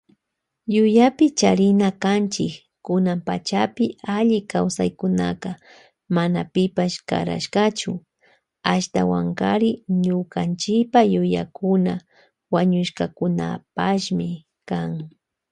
Yuyapi charina kanchi kunan pachapi alli kawsaykunaka mana pipash karashkachu, ashtawankari ñukanchipa yayakuna wañushkakunapashmi kan.